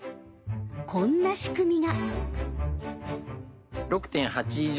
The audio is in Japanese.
こんな仕組みが。